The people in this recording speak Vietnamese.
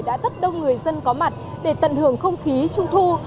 đã rất đông người dân có mặt để tận hưởng không khí trung thu